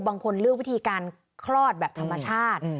บางคนเลือกวิธีการคลอดแบบธรรมชาติ